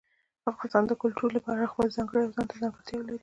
افغانستان د کلتور له پلوه خپله ځانګړې او ځانته ځانګړتیاوې لري.